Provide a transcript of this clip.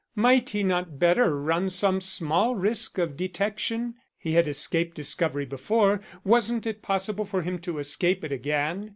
Might he not better run some small risk of detection? He had escaped discovery before; wasn't it possible for him to escape it again?